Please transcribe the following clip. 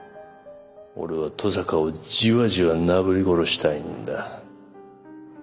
俺は登坂をじわじわなぶり殺したいんだ。